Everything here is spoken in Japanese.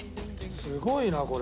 すごいなこれ。